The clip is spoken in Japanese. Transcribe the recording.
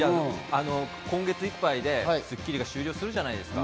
今月いっぱいで『スッキリ』が終了するじゃないですか。